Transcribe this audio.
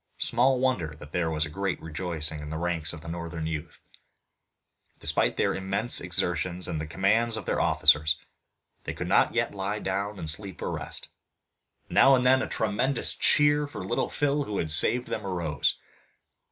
Small wonder that there was great rejoicing in the ranks of northern youth! Despite their immense exertions and the commands of their officers they could not yet lie down and sleep or rest. Now and then a tremendous cheer for Little Phil who had saved them arose.